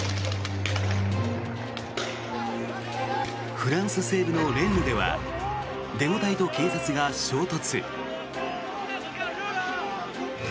フランス西部のレンヌではデモ隊と警察が衝突。